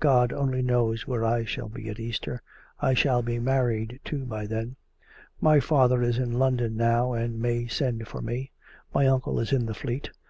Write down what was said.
God only knows where I shall be at Easter. I shall be married, too, by then. My father is in London now and may send for me. My uncle is in the Fleet.